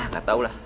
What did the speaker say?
gak tau lah